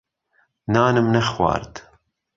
نانم نەخوارد.